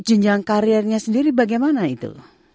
jenjang karirnya sendiri bagaimana itu